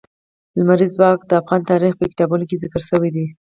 لمریز ځواک د افغان تاریخ په کتابونو کې ذکر شوی دي.